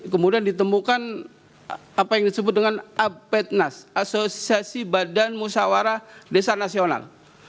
kemudian ditemukan apa yang disebut dengan apednas asosiasi badan musawarah desa nasional